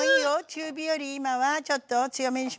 中火より今はちょっと強めにしましょうか。